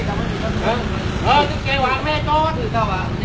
สวัสดีครับทุกคน